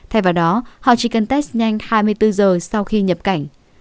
thay vào đó họ chỉ cần test nhanh hai mươi bốn giờ sau khi nhập cảnh